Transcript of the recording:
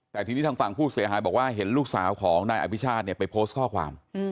แต่ทีนี้ทางฝั่งผู้เสียหายบอกว่าเห็นลูกสาวของนายอภิชาติเนี่ยไปโพสต์ข้อความ